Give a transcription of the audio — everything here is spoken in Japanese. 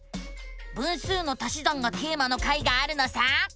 「分数の足し算」がテーマの回があるのさ！